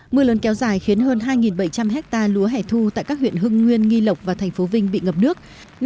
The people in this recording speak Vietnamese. mưa lớn kéo dài khiến hơn hai bảy trăm linh hectare lúa hẻ thu tại các huyện hưng nguyên nghi lộc và thành phố vinh bị ngập nước